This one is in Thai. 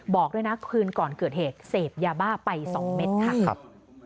บอกด้วยนะคืนก่อนเกิดเหตุเสพยาบ้าไป๒เม็ดค่ะ